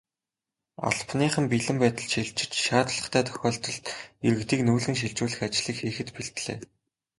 Албаныхан бэлэн байдалд шилжиж, шаардлагатай тохиолдолд иргэдийг нүүлгэн шилжүүлэх ажлыг хийхэд бэлдлээ.